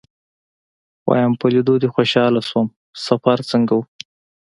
ويم په ليدو دې خوشاله شوم سفر څنګه و.